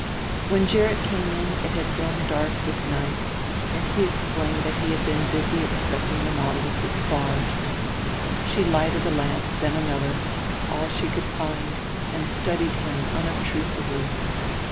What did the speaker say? When Gerrit came in it had grown dark with night, and he explained that he had been busy inspecting the Nautilus' spars. She lighted a lamp, then another, all she could find, and studied him unobtrusively.